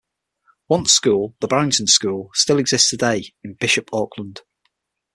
Once school, the Barrington School, still exists today in Bishop Auckland.